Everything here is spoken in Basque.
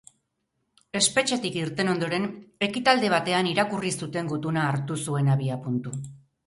Espetxetik irten ondoren, ekitaldi batean irakurri zuten gutuna hartu zuen abiapuntu.